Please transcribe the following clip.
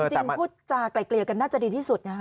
จริงพูดจากลายกันน่าจะดีที่สุดนะฮะ